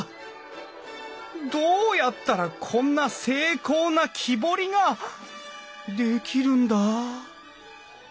どうやったらこんな精巧な木彫りができるんだ？